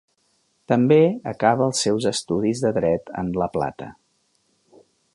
També acaba els seus estudis de Dret en La Plata.